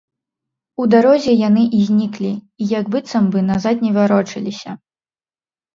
У дарозе яны і зніклі, і як быццам бы назад не варочаліся.